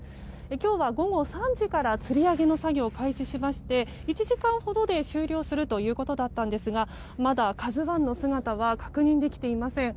今日は午後３時からつり上げの作業を開始しまして１時間ほどで終了するということだったんですがまだ「ＫＡＺＵ１」の姿は確認できていません。